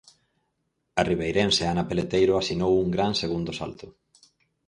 A ribeirense Ana Peleteiro asinou un gran segundo salto.